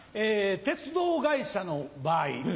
鉄道会社の場合。